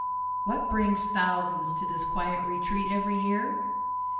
What brings thousands to this quiet retreat every year?